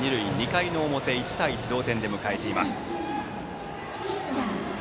２回の表、１対１の同点で迎えています。